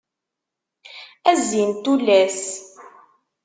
A zzin n tullas.